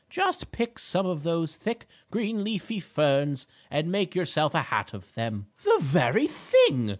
"Just pick some of those thick, green leafy ferns and make yourself a hat of them." "The very thing!"